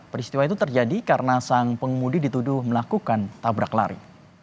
peristiwa itu terjadi karena sang pengemudi dituduh melakukan tabrak lari